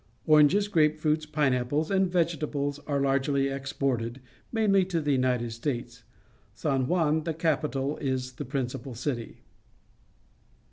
Oranges, grape fruit, pineapples, and vegetables are largelj^ exported, mainly to the United States. San Juan, the capital, is the principal city.